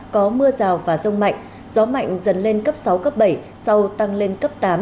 có mưa rào và rông mạnh gió mạnh dần lên cấp sáu cấp bảy sau tăng lên cấp tám